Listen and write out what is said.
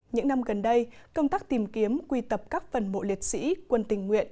những năm gần đây công tác tìm kiếm quy tập các phần mộ liệt sĩ quân tình nguyện